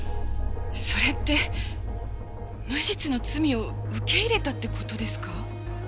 それって無実の罪を受け入れたって事ですか？